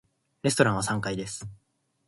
レストランは三階です。